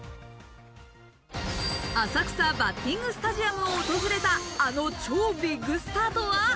浅草バッティングスタジアムを訪れた、あの超ビッグスターとは？